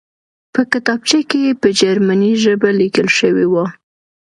په کتابچه کې په جرمني ژبه لیکل شوي وو